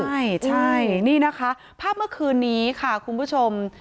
ใช่ใช่นี่นะคะภาพเมื่อคืนนี้ค่ะคุณผู้ชม